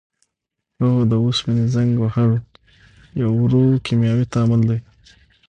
هو د اوسپنې زنګ وهل یو ورو کیمیاوي تعامل دی.